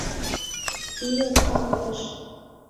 Пий опталтыш.